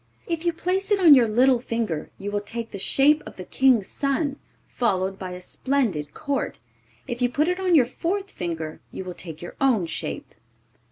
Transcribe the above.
If you place it on your little finger, you will take the shape of the King's son, followed by a splendid court. If you put it on your fourth finger, you will take your own shape.